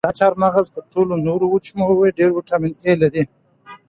دا چهارمغز تر ټولو نورو وچو مېوو ډېر ویټامین ای لري.